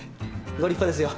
ご立派ですよ。